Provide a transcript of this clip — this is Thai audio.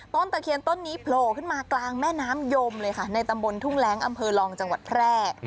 ตะเคียนต้นนี้โผล่ขึ้นมากลางแม่น้ำยมเลยค่ะในตำบลทุ่งแรงอำเภอรองจังหวัดแพร่